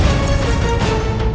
tidak ada yang bisa diberi